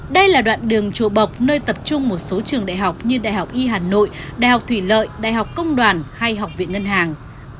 đây là đoạn đường trộ bộc nơi tập trung một số trường đại học như đại học y hà nội đại học thủy lợi đại học công đoàn hay học viện ngân hàng